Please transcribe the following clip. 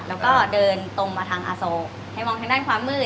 แล้วก็เดินตรงมาทางอโศกให้มองทางด้านความมืด